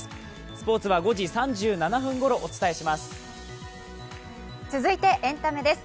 スポーツは５時３７分ごろお届けします。